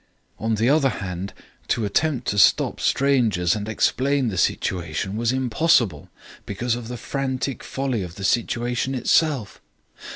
On the other hand, to attempt to stop strangers and explain the situation was impossible, because of the frantic folly of the situation itself.